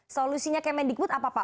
solusinya kmn dekut apa pak